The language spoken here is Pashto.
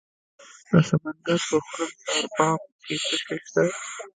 د سمنګان په خرم سارباغ کې څه شی شته؟